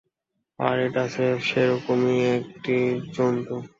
আর এটা স্রেফ সেরকমই একটা জন্তু।